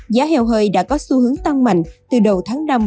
giá heo hơi đã có xu hướng tăng mạnh từ đầu tháng năm